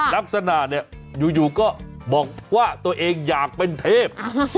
ลักษณะเนี่ยอยู่ก็บอกว่าตัวเองอยากเป็นเทพ